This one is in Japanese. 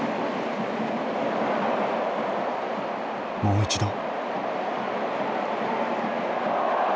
もう一度。